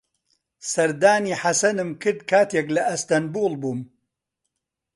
سەردانی حەسەنم کرد کاتێک لە ئەستەنبوڵ بووم.